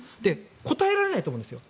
答えられないと思うんですよ